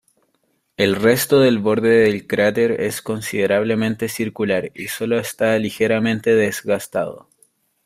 El resto del borde del cráter es considerablemente circular y sólo está ligeramente desgastado.